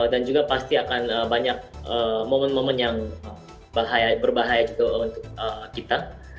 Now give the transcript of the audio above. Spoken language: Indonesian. dan juga pasti akan banyak momen momen yang berbahaya juga untuk kita